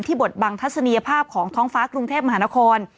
บทบังทัศนียภาพของท้องฟ้ากรุงเทพมหานคร